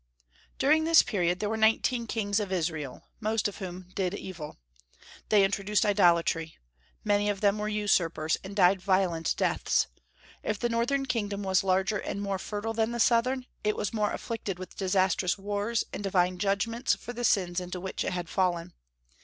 During this period there were nineteen kings of Israel, most of whom did evil. They introduced idolatry; many of them were usurpers, and died violent deaths. If the northern kingdom was larger and more fertile than the southern, it was more afflicted with disastrous wars and divine judgments for the sins into which it had fallen.